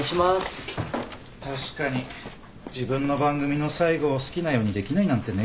確かに自分の番組の最後を好きなようにできないなんてね。